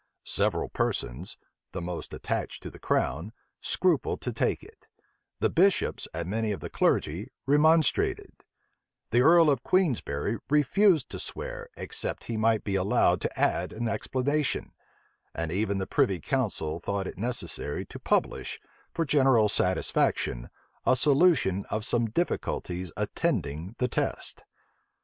Several persons, the most attached to the crown, scrupled to take it: the bishops and many of the clergy remonstrated: the earl of Queensberry refused to swear, except he might be allowed to add an explanation: and even the privy council thought it necessary to publish, for general satisfaction, a solution of some difficulties attending the test.